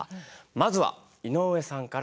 まずは井上さんから。